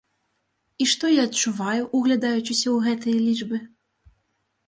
І што я адчуваю, углядаючыся ў гэтыя лічбы?